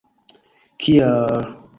Kia...